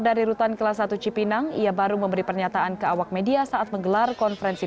dari rutan kelas satu cipinang ia baru memberi pernyataan ke awak media saat menggelar konferensi